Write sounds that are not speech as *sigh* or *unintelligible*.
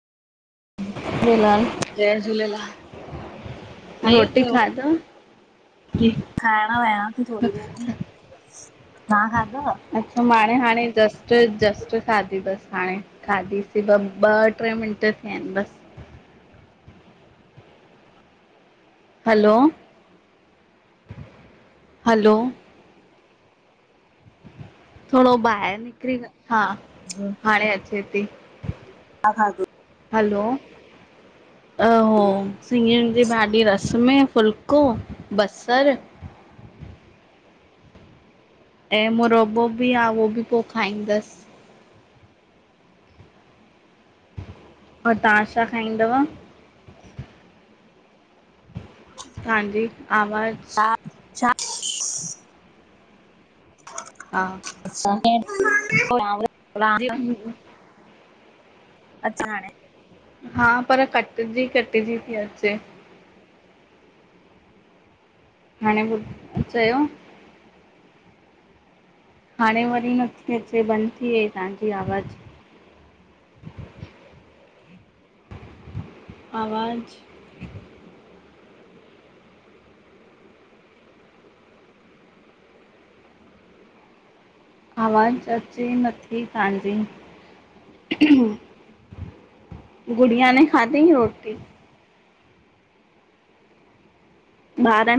झुलेलाल, जय झूलेलाल रोटी खाधव? की, खाइण वया थी थोङी देर में। तां खाधव? मां, हाणे हाणे जस्ट जस्ट खादी बस हाणे खाधी सि ॿ, ॿ ट्रें मिंट थिया आहिन बस हलो, हलो थोरो बाहिर निकरी ॻा हा हाणे अचे थी, हलो अहो, सिॻिन जी भाॼी रस में फुलको बसर ऐं मुरब्बो बि आहे उहो बि पोइ खाईंदसि ऐं तव्हां छा खाईंदव? तव्हांजी आवाज़ छा? अच्छा हा *unintelligible* अच्छा हाणे हा पर कटिजी कटिजी थी अचे। हाणे चयो हाणे वरी नथी अचे बंदि थी वई तव्हांजी आवाज़ आवाज़ आवाज़ अचे नथी तव्हांजी गुड़िया नें खाधई रोटी? ॿारिन